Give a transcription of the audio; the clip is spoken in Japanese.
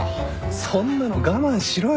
そんなの我慢しろよ。